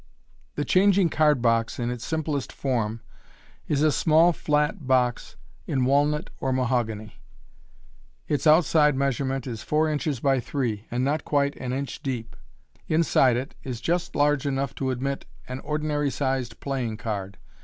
— The changing card box in its simplest form is a small flat box in walnut or mahogany. (See Fig. 49.) Its outside measurement is four inches by three, and not quite an inch deep. Inside it is just large enough to admit an ordinary sized playing card.